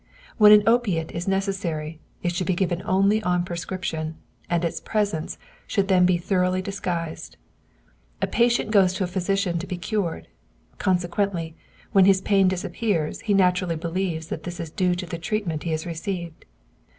When an opiate is necessary, it should be given only on prescription, and its presence should then be thoroughly disguised. A patient goes to a physician to be cured; consequently, when his pain disappears, he naturally believes that this is due to the treatment he has received.